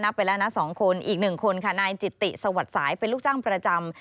ไปแล้วนะ๒คนอีก๑คนค่ะนายจิตติสวัสดิ์สายเป็นลูกจ้างประจำ